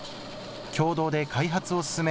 共同で開発を進め